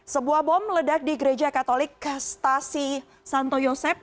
sebuah bom ledak di gereja katolik kastasi santo yosep